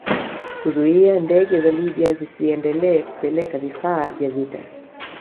Kuzuia ndege za Libya zisiendelee kupeleka vifaa vya kivita